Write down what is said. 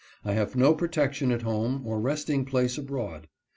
I have no protection at home, or resting place abroad.